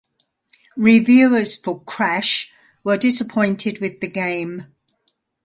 Reviewers for "Crash" were disappointed with the game.